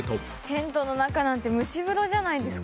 テントの中なんて蒸し風呂じゃないですか。